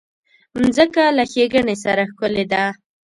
مځکه له ښېګڼې سره ښکلې ده.